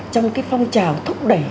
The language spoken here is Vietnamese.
trong cái phong trào thúc đẩy